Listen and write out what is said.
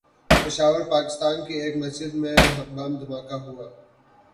پشاور، پاکستان کی ایک مسجد میں بم دھماکہ ہوا